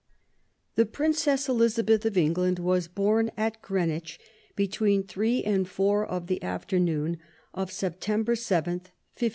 The Princess Elizabeth of England was bom at Greenwich, between three and four of the afternoon of September 7, 1533.